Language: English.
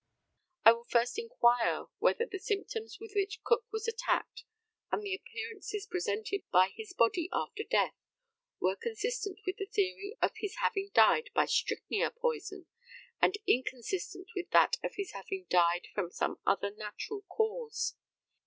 I will first inquire whether the symptoms with which Cook was attacked and the appearances presented by his body after death were consistent with the theory of his having died by strychnia poison, and inconsistent with that of his having died from some other natural cause.